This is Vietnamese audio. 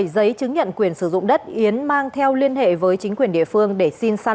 bảy giấy chứng nhận quyền sử dụng đất yến mang theo liên hệ